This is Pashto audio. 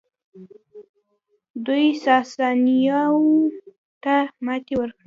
دوی ساسانیانو ته ماتې ورکړه